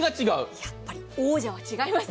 やっぱり王者は違いますね。